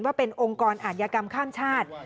ว่าเป็นองค์กรอาธิกรรมข้ามชาติ